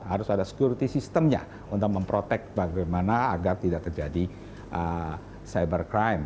harus ada security systemnya untuk memprotek bagaimana agar tidak terjadi cyber crime